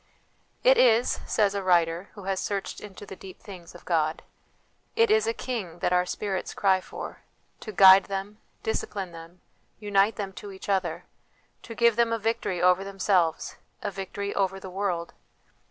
" It is," says a writer who has searched into the deep things of God " it is a King that our spirits cry for, to guide them, discipline them, unite them to each other ; to give them a victory over themselves, a victory over the world.